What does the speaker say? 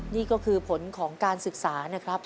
นี่ก็คือผลของการศึกษานะครับ